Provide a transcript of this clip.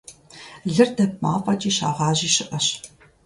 Лыр дэп мафӀэкӀи щагъажьи щыӀэщ.